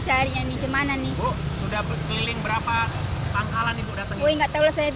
warung warung semua rp dua lima ratus